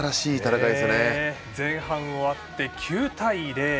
前半終わって、９対０。